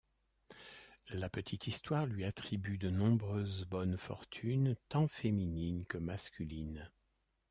La petite histoire lui attribue de nombreuses bonnes fortunes, tant féminines que masculines.